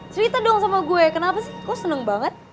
cerita dong sama gue kenapa sih kok seneng banget